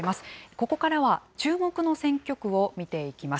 ここからは注目の選挙区を見ていきます。